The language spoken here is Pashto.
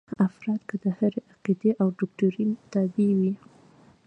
افراد که د هرې عقیدې او دوکتورین تابع وي.